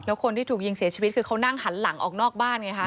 แล้วคนที่ถูกยิงเสียชีวิตคือเขานั่งหันหลังออกนอกบ้านไงคะ